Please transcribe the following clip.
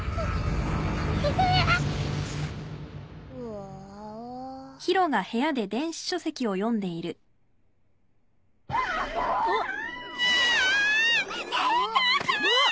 うわっ！